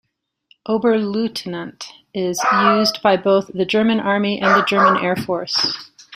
Oberleutnant is used by both the German Army and the German Air Force.